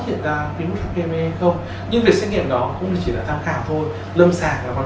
hiện ra virus hắc pm không nhưng việc xét nghiệm đó cũng chỉ là tham khảo thôi lâm sàng là quan